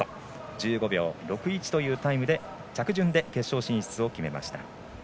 １５秒６１というタイムで着順で決勝進出を決めました。